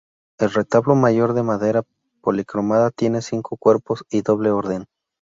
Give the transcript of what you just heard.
El retablo mayor de madera policromada, tiene cinco cuerpos y doble orden.